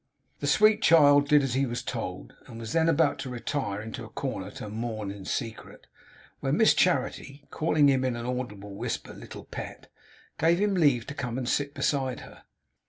The sweet child did as he was told; and was then about to retire into a corner to mourn in secret, when Miss Charity, calling him in an audible whisper a 'little pet,' gave him leave to come and sit beside her.